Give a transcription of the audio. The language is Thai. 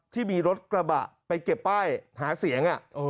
ที่มีรถกระบะไปเก็บป้ายหาเสียง